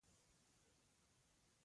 پاویلو کویلو وایي تجربه تر ټولو مهمه ده.